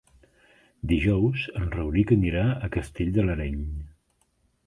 Dijous en Rauric anirà a Castell de l'Areny.